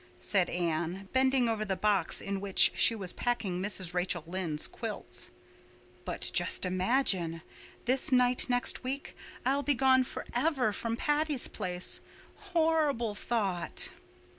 said Anne, bending over the box in which she was packing Mrs. Rachel Lynde's quilts. "But just imagine—this night week I'll be gone forever from Patty's Place—horrible thought!"